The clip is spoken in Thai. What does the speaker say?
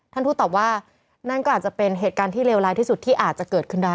ทูตตอบว่านั่นก็อาจจะเป็นเหตุการณ์ที่เลวร้ายที่สุดที่อาจจะเกิดขึ้นได้